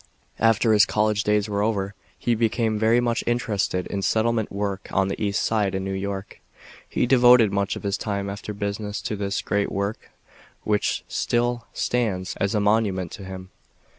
After his college days were over, he became very much interested in settlement work on the East Side in New York. He devoted much of his time after business to this great work which still stands as a monument to him.